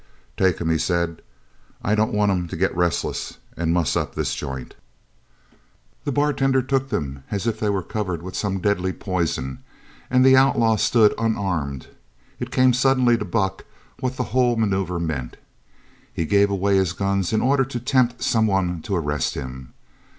"Take 'em," he said. "I don't want 'em to get restless an' muss up this joint." The bartender took them as if they were covered with some deadly poison, and the outlaw stood unarmed! It came suddenly to Buck what the whole manoeuvre meant. He gave away his guns in order to tempt someone to arrest him.